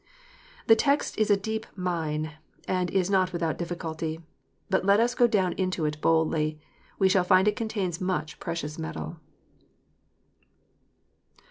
The text is a deep mine, and is not without difficulty. But let us go down into it boldly, and we shall find it contains much precious metal.